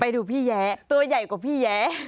ดูพี่แย้ตัวใหญ่กว่าพี่แย้